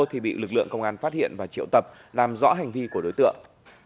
thì bị lực lượng công an phát hiện và triệu tập làm rõ hành vi của đối tượng